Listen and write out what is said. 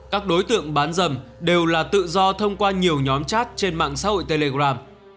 các đối tượng bán dâm đều là tự do thông qua nhiều nhóm chat trên mạng xã hội telegram